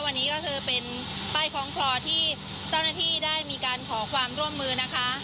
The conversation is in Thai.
วันนี้ก็คือเป็นป้ายคล้องคลอที่เจ้าหน้าที่ได้มีการขอความร่วมมือนะคะ